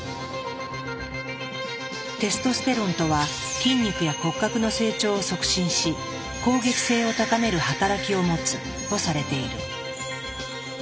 テストステロンとは筋肉や骨格の成長を促進し攻撃性を高める働きを持つとされている。